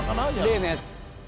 例のやつ。